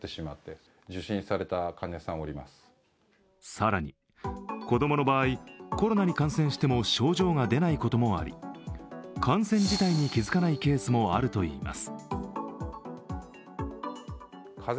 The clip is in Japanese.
更に、子供の場合、コロナに感染しても症状が出ないこともあり、感染自体に気づかないケースもあるといいます。